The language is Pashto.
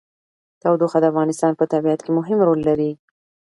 تودوخه د افغانستان په طبیعت کې مهم رول لري.